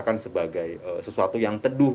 akan sebagai sesuatu yang teduh